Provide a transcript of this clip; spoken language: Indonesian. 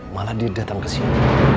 malah dia datang ke sini